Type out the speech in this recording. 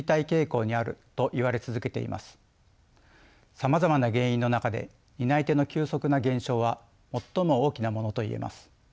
さまざまな原因の中で担い手の急速な減少は最も大きなものと言えます。